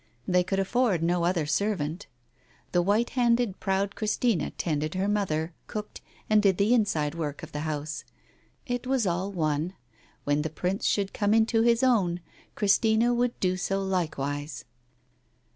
They could afford v no other servant. The white handed proud Christina tended her mother, cooked, and did the inside work of theliouse. It was all one. When the Prince should come into his own, Christina would do so like wise.